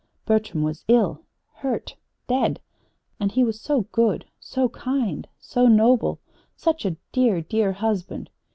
Bertram was ill hurt dead! And he was so good, so kind, so noble; such a dear, dear husband!